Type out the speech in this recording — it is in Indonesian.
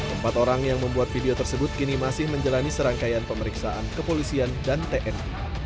empat orang yang membuat video tersebut kini masih menjalani serangkaian pemeriksaan kepolisian dan tni